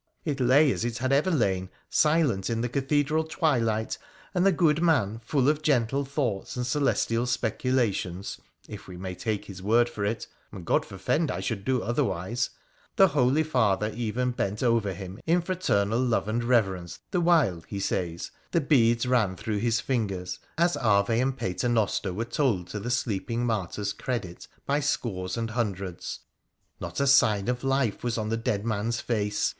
It lay as it had ever lain, silent, in the cathedral twilight, and the good man, full of gentle thoughts and celestial specula tions, if we may take his word for it — and God forfend I should do otherwise !— the holy father even bent over him in fraternal love and reverence the while, he says, the beads ran through his fingers as Ave and Paternoster were told to the sleeping martyr's credit by scores and hundreds. Not a sign of life was on the dead man's face.